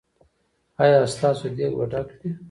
ایا ستاسو دیګ به ډک وي؟